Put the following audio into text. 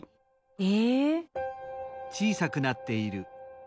え。